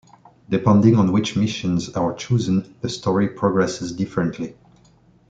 Depending on which missions are chosen, the story progresses differently.